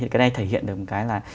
cái này thể hiện được một cái là